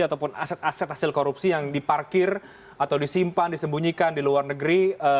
ataupun aset aset hasil korupsi yang diparkir atau disimpan disembunyikan di luar negeri